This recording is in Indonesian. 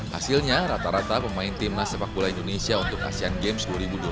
hasilnya rata rata pemain timnas sepak bola indonesia untuk asean games dua ribu dua puluh tiga